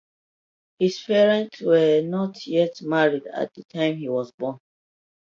His parents were not yet married at the time he was born.